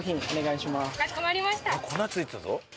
粉付いてたぞ。